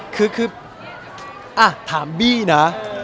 คือถามบี้นะ